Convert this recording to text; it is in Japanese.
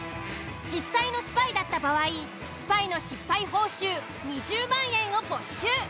実際のスパイだった場合スパイの失敗報酬２０万円を没収。